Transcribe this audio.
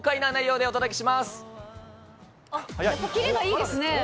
できればいいですね。